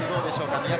宮崎